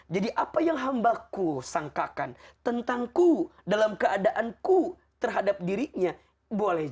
jadi apa yang hambaku sangkakan tentangku dalam keadaanku terhadap dirinya boleh jadi itu juga ya